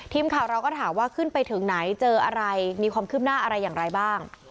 ทีมข่าวเราก็ถามว่าขึ้นไปถึงไหนเจออะไรมีความคืบหน้าอะไรอย่างไรบ้าง